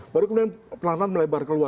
baru kemudian pelan pelan melebar keluar